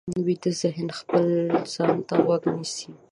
ویده ذهن خپل ځان ته غوږ نیسي